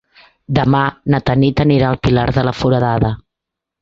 Demà na Tanit anirà al Pilar de la Foradada.